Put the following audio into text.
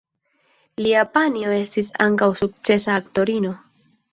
Lia panjo estis ankaŭ sukcesa aktorino.